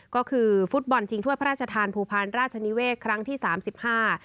ก็คือฟุตบอลชิงถ้วยพระราชทานภูพาลราชนิเวศครั้งที่สามสิบห้า